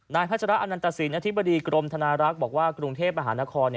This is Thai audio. นายพัชราอันตรศิลป์อธิบดีกรมธนารักษ์บอกว่ากรุงเทพอาหารนคร